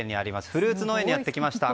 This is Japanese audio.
フルーツ農園にやってきました。